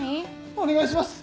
お願いします